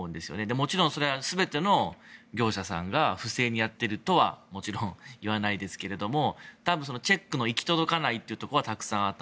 もちろんそれは全ての業者さんが不正にやっているとは言わないですが多分チェックの行き届かないところがたくさんあった。